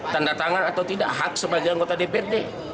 tanda tangan atau tidak hak sebagai anggota dprd